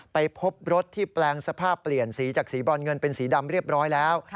ไปพบรถที่แปลงสภาพเปลี่ยนสีจากสีบรอนเงินเป็นสีดำเรียบร้อยแล้ว